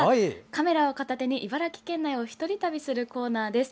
カメラを片手に茨城県内を１人旅するコーナーです。